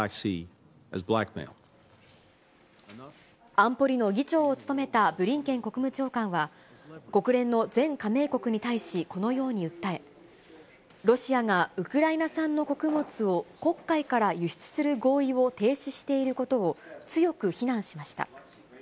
安保理の議長を務めたブリンケン国務長官は、国連の全加盟国に対し、このように訴え、ロシアがウクライナ産の穀物を黒海から輸出する合意を停止していることを、強く非難しました。